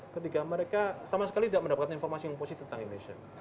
ketika mereka sama sekali tidak mendapatkan informasi yang positif tentang indonesia